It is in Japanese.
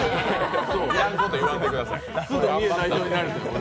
要らんこと言わんといてください。